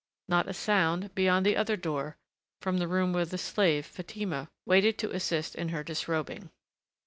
Not a sound, beyond the other door, from the room where the slave, Fatima, waited to assist in her disrobing.